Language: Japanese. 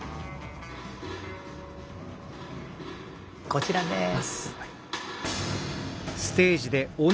こちらです。